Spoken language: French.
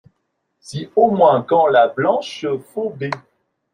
Si, au moins, quand la blanche Phoebé…